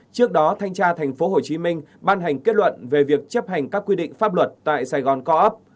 trước đó thanh tra thành phố hồ chí minh ban hành kết luận về việc chấp hành các quy định pháp luật tại saigon co op